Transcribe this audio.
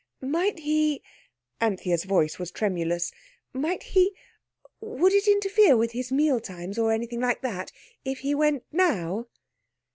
"Might he"—Anthea's voice was tremulous—"might he—would it interfere with his meal times, or anything like that, if he went _now?